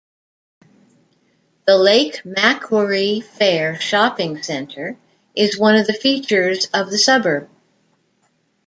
The Lake Macquarie Fair shopping centre is one of the features of the suburb.